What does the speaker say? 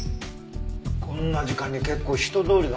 こんな時間に結構人通りがあるね。